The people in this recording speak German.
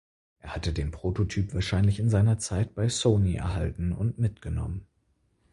Er hatte den Prototyp wahrscheinlich in seiner Zeit bei Sony erhalten und mitgenommen.